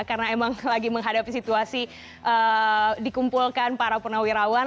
karena emang lagi menghadapi situasi dikumpulkan para purnawirawan